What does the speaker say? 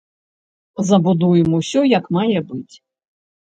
Забудуем усё як мае быць.